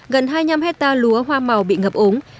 gần hai mươi năm hectare lúa hoa màu bị ngập ống